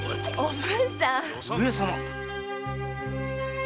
上様！